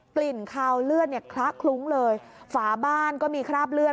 กลิ่นคาวเลือดเนี่ยคละคลุ้งเลยฝาบ้านก็มีคราบเลือด